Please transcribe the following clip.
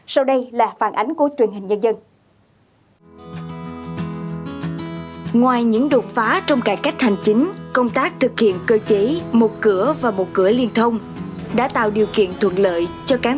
sau đây là phản ánh của truyền hình nhân dân